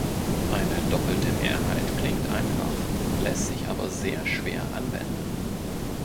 Eine doppelte Mehrheit klingt einfach, lässt sich aber sehr schwer anwenden.